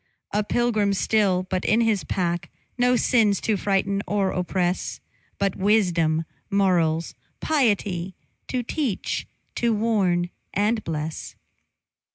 A pilgrim still, but in his pack No sins to frighten or oppress; But wisdom, morals, piety, To teach, to warn and bless.